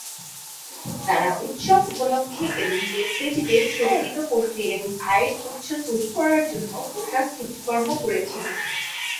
তারা উৎসব উপলক্ষে এবং দেবদেবীদের সজ্জিত করতে এবং আয়ের উৎস তৈরি করার জন্য পোশাক সূচিকর্ম করেছিল।